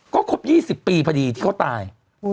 ก็ครบ๒๐ปีพอดีที่เขาตาย